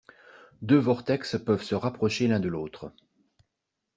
deux vortex peuvent se rapprocher l'un de l'autre